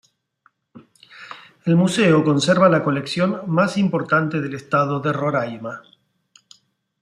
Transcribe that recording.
El museo conserva la colección más importante del estado de Roraima.